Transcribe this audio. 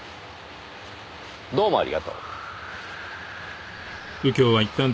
どうもありがとう。